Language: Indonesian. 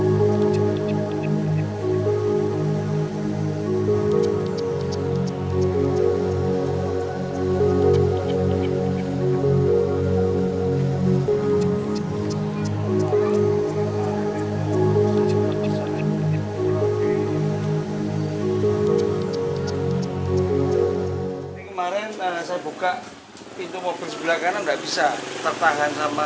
mobilnya kiri allah